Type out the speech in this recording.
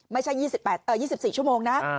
ไม่ใช่๒๘โต่ง๒๔ชั่วโอนนะ